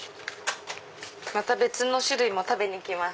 また別の種類も食べに来ます。